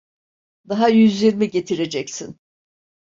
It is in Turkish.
Daha yüz yirmi getireceksin!